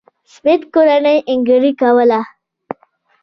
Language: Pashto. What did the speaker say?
سمېت کورنۍ اهنګري کوله.